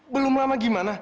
belum lama gimana